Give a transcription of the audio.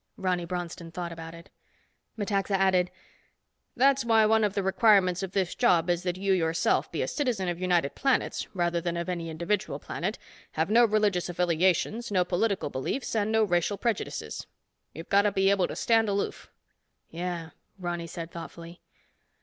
Ronny Bronston thought about it. Metaxa added, "That's why one of the requirements of this job is that you yourself be a citizen of United Planets, rather than of any individual planet, have no religious affiliations, no political beliefs, and no racial prejudices. You've got to be able to stand aloof." "Yeah," Ronny said thoughtfully.